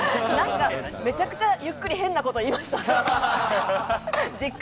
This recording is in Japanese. めちゃくちゃ、ゆっくり変なこと言いましたね。